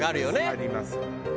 あります。